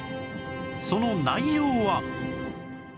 その内容は